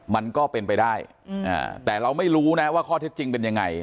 มันก็เป็นไปได้แต่เราไม่รู้นะว่าข้อเท็จจริงเป็นยังไง